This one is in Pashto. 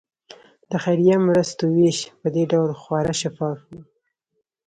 د خیریه مرستو ویش په دې ډول خورا شفاف وي.